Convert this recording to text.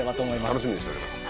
楽しみにしております